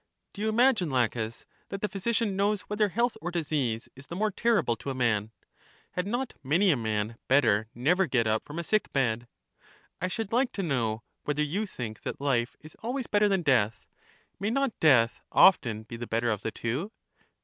Do you imagine. Laches, that the physi cian knows whether health or disease is the more ter rible to a man? Had not many a man better never LACHES 111 get up from a sick bed? I should like to know whether you think that hf e is always better than death. May not death often be the better of the two?